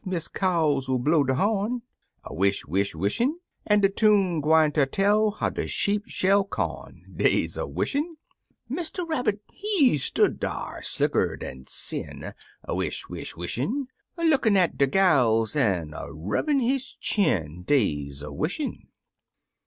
Miss Caw 'II blow de horn — A wish, wish, wishin' — j4n' de tune gwineter tell how de sheep shell corn —■ Des a wishin'. Mr. Rabbit, he stood dar, slicker dan sin — A wish, wish, wishin' — A lookin' at de gals, an' a rubbin' his chin — Des a wishin'.